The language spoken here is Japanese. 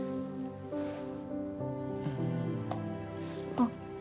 あっ。